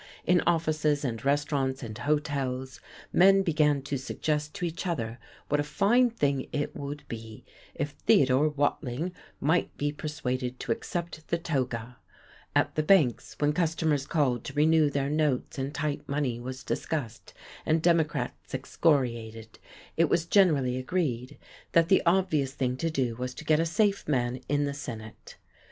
In offices and restaurants and hotels, men began to suggest to each other what a fine thing it would be if Theodore Watling might be persuaded to accept the toga; at the banks, when customers called to renew their notes and tight money was discussed and Democrats excoriated, it was generally agreed that the obvious thing to do was to get a safe man in the Senate.